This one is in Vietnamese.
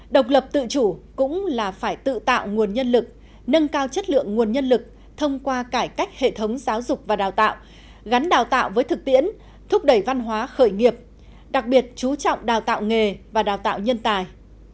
độc lập tự chủ cũng là phải tự tạo nguồn nhân lực nâng cao chất lượng nguồn nhân lực thông qua cải cách hệ thống giáo dục và đào tạo gắn đào tạo với thực tiễn thúc đẩy văn hóa khởi nghiệp đặc biệt chú trọng đào tạo nghề và đào tạo nhân tài